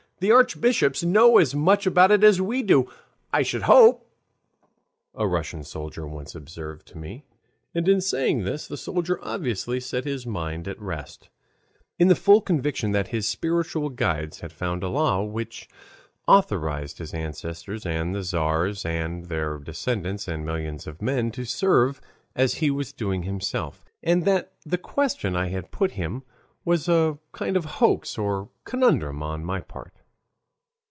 The archbishops know as much about it as we do, I should hope," a Russian soldier once observed to me. And in saying this the soldier obviously set his mind at rest, in the full conviction that his spiritual guides had found a law which authorized his ancestors, and the tzars and their descendants, and millions of men, to serve as he was doing himself, and that the question I had put him was a kind of hoax or conundrum on my part.